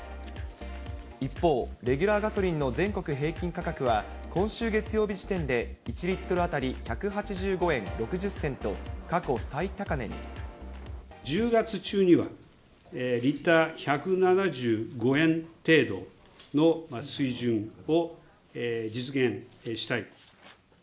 一方、レギュラーガソリンの全国平均価格は、今週月曜日時点で、１リットル当たり１８５円６０銭と過去最高値１０月中には、リッター１７５円程度の水準を実現したい。